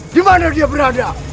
di mana dia berada